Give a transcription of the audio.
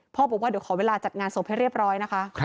บอกว่าเดี๋ยวขอเวลาจัดงานศพให้เรียบร้อยนะคะ